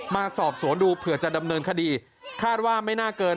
มาสอบสวนดูเผื่อจะดำเนินคดีคาดว่าไม่น่าเกิน